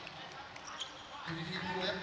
สวัสดีครับ